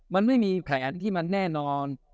มันไม่มีแผนที่มันแน่นอน